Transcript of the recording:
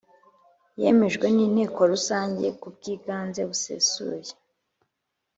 yemejwe n Inteko Rusange kubwiganze busesuye